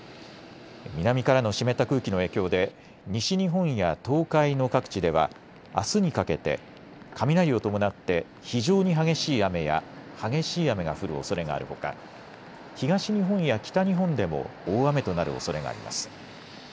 南からの湿った空気の影響で西日本や東海の各地ではあすにかけて雷を伴って非常に激しい雨や激しい雨が降るおそれがあるほか東日本や北日本でも大雨となるおそれがあります。